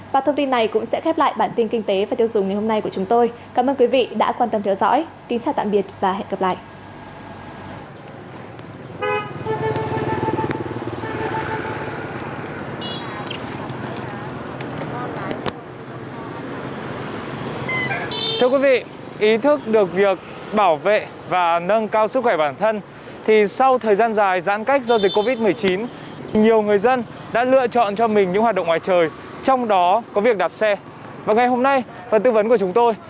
và thông tin này cũng sẽ khép lại bản tin kinh tế và tiêu dùng ngày hôm nay của chúng tôi